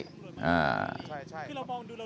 ใช่